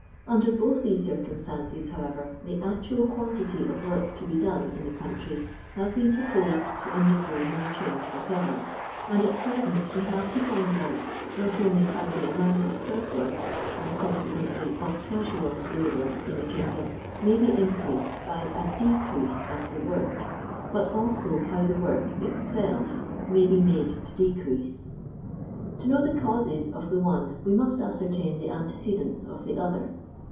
Under both these circumstances, however, the actual i][uaiitit> of work to be done in the country hiiA been supposed to undergo no change whatever ; and at present we have to point out not only how the a:ni)inu of surplus, and, consequently, t.'f casual labour, in the kingdom, may be increased by ^t r/f.vt'/e of titc trvil; but also how the work itself m.iv be made to decre;ise. To know the causes of the one we must ascertain the antecedent< of the other.